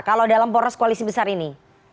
kalau dalam poros koalisi besar ini